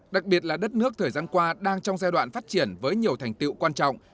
đặc biệt là đất nước thời gian qua đang trong giai đoạn phát triển với nhiều thành tiệu quan trọng